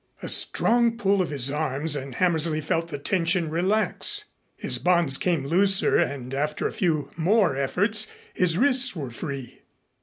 A strong pull of his arms and Hammersley felt the tension relax. His bonds came looser and after a few more efforts his wrists were free.